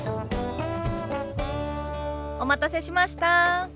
お待たせしました。